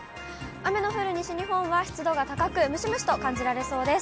雨の降る西日本は湿度が高く、ムシムシと感じられそうです。